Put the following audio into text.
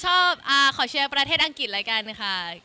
ขอเชียร์ประเทศอังกฤษแล้วกันค่ะ